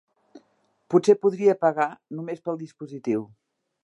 Potser podria pagar només pel dispositiu.